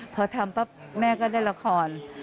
พอทำแม่ก็ได้ละคร